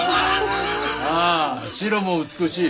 ああ白も美しい。